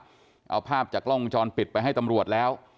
หายไว้แล้วนะครับเอาภาพจากล้องจรปิดไปให้ตำรวจแล้ว